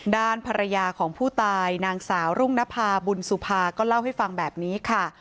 ด้านภรรยาของผู้ตายนางสาวรุ่งนภาบุญสุภาก็เล่าให้ฟังแบบนี้ค่ะ